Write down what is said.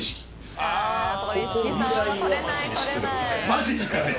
マジですかね？